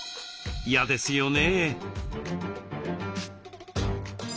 嫌ですよね。